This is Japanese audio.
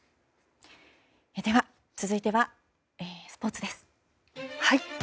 続いてはスポーツです。